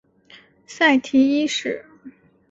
塞提一世。